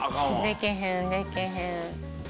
「できへんできへん」